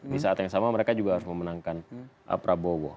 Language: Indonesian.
di saat yang sama mereka juga harus memenangkan prabowo